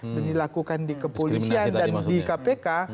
yang dilakukan di kepolisian dan di kpk